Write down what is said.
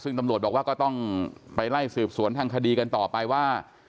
ซึ่งตำรวจบอกว่าก็ต้องไปไล่สืบสวนทางคดีกันต่อไปว่า